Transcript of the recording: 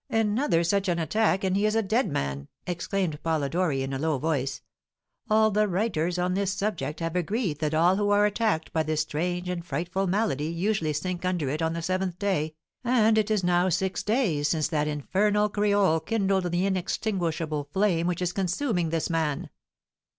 "Another such an attack and he is a dead man!" exclaimed Polidori, in a low voice. "All the writers on this subject have agreed that all who are attacked by this strange and frightful malady usually sink under it on the seventh day, and it is now six days since that infernal creole kindled the inextinguishable flame which is consuming this man."